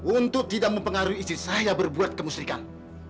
untuk tidak mempengaruhi istri saya berbuat kemusyrikan